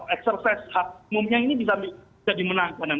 ekservesi hak umumnya ini bisa dimenangkan